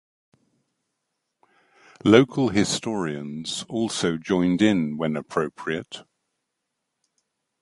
Local historians also joined in when appropriate.